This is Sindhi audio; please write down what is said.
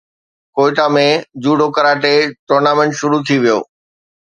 ڪوئيٽا ۾ جوڊو ڪراٽي ٽورنامينٽ شروع ٿي ويو